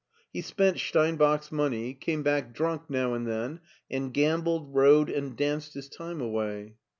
He spent Stein bach's money, came back drunk now and then, and gambled, rode, and danced his time away.